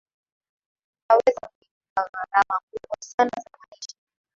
unaweza kuepuka gharama kubwa sana za maisha